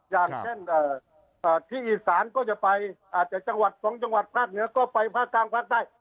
อย่างเช่นที่อีสานก็จะไปอาจจะจังหวัดสองจังหวัดภาคเหนือก็ไปภาคกลางภาคใต้